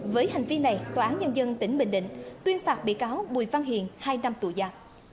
với hành vi này tòa án nhân dân tỉnh bình định tuyên phạt bị cáo bùi văn hiền hai năm tù giả